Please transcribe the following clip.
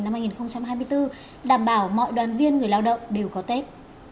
năm hai nghìn hai mươi bốn đảm bảo mọi đoàn viên người lao động đều có tết